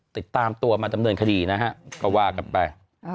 ติดตามตัวมาดำเนินคดีนะฮะก็ว่ากันไป